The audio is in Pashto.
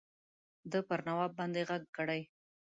ده پر نواب باندي ږغ کړی.